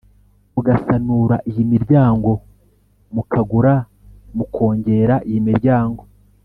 mugasanura iyi miryango: mukagura, mukongera iyi miryango